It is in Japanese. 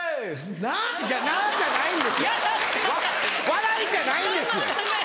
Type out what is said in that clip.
笑いじゃないんですよ！